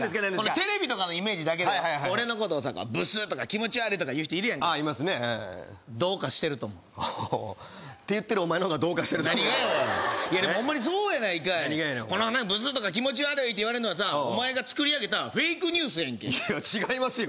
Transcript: テレビとかのイメージだけで俺のことをさブスとか気持ち悪いとか言う人いるやんかああーいますねどうかしてると思うおおって言ってるお前のほうがどうかしてると思う何がやおいいやでもほんまにそうやないかいこのなブスとか気持ち悪いって言われんのはさお前が作り上げたフェイクニュースやんけいや違いますよ